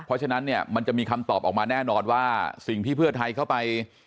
เพราะฉะนั้นเนี่ยมันจะมีคำตอบออกมาแน่นอนว่าสิ่งที่เพื่อไทยเข้าไป